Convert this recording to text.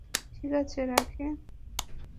ঠিক আছে, রাখি।